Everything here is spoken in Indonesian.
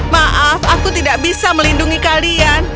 maaf aku tidak bisa melindungi kalian